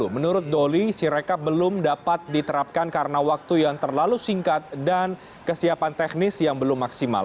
menurut doli sirekap belum dapat diterapkan karena waktu yang terlalu singkat dan kesiapan teknis yang belum maksimal